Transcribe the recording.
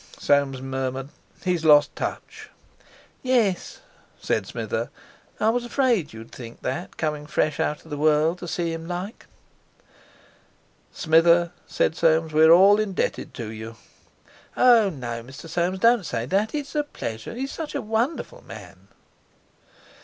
Soames murmured: "He's lost touch." "Yes," said Smither, "I was afraid you'd think that coming fresh out of the world to see him like." "Smither," said Soames, "we're all indebted to you." "Oh, no, Mr. Soames, don't say that! It's a pleasure—he's such a wonderful man."